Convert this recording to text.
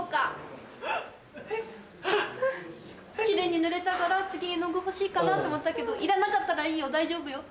キレイに塗れたから次絵の具欲しいかなと思ったけどいらなかったらいいよ大丈夫。